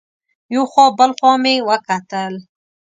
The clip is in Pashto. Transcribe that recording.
یو خوا بل خوا مې وکتل.